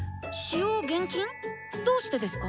どうしてですか？